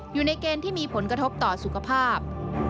อยู่ในเกณฑ์ที่มีผลกระทบต่อสุขภาพ